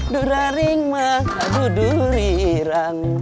duraring mah adu durirang